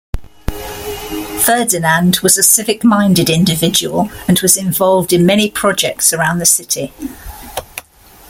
Ferdinand was a civic-minded individual, and was involved in many projects around the city.